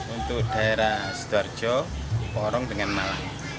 untuk daerah sidoarjo porong dengan malang